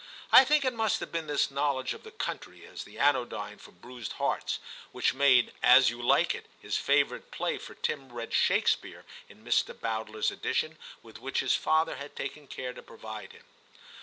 I think it must have been this knowledge of the country as the anodyne for bruised hearts, which made As You Like It his favourite play, for Tim read Shakespeare, in Mr. Bowdler's edition with which his father had taken care to provide him.